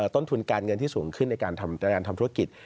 ต้นทุนการเงินที่สูงขึ้นในการทำธุรกิจ